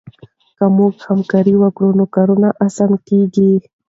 که موږ همکاري وکړو نو کارونه اسانه کېږي.